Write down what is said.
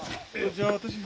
じゃあ私が。